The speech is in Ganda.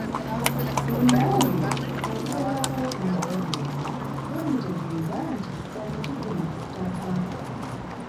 Munnange abasajja bakabaka nga bagenda bamutegeeza nti omuti guli kuttaka.